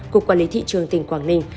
cục quản lý thị trường tỉnh quảng ninh